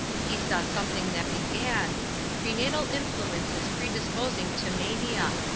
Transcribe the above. He saw something that began: "Prenatal influences predisposing to mania.